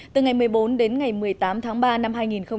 từ ngày một mươi bốn đến ngày một mươi tám tháng ba năm hai nghìn một mươi tám